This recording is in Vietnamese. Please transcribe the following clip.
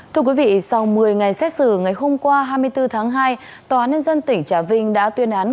thưa quý vị sau một mươi ngày xét xử ngày hôm qua hai mươi bốn tháng hai tòa nhân dân tỉnh trà vinh đã tuyên án